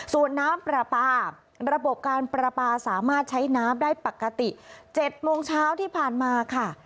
ส่วนน้ำปลาปลาระบบการประปาสามารถใช้น้ำได้ปกติ๗โมงเช้าที่ผ่านมาค่ะ